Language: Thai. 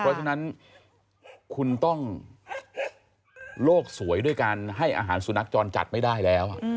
เพราะฉะนั้นคุณต้องโลกสวยด้วยการให้อาหารสุนัขจรจัดไม่ได้แล้ว